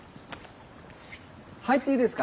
入っていいですか？